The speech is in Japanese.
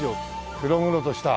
黒々とした。